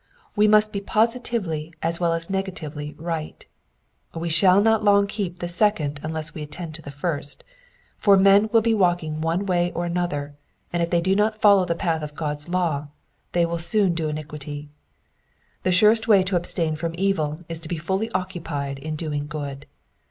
We must be positively as well as negatively right : we shall not long keep the second unless we attend to the first, for men will be walking one way or another, and if they do not follow the path of God's law they will soon do iniquity. The surest way to abstain from evil is to be fully occupied in doing good.